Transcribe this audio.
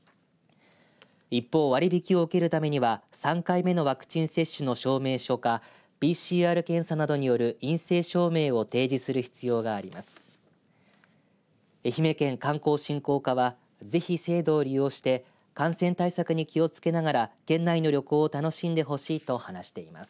一方、割り引きを受けるためには３回目のワクチン接種の証明書かＰＣＲ検査などによる陰性証明を提示する必要があります。